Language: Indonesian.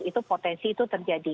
itu potensi itu terjadi